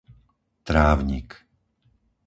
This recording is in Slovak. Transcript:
Trávnik